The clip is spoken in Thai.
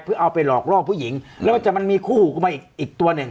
เพื่อเอาไปหลอกล่อผู้หญิงแล้วจะมันมีคู่มาอีกตัวหนึ่ง